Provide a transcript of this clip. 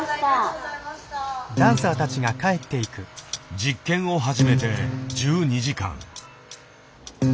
実験を始めて１２時間。